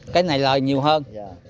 cái này lời nhiều hơn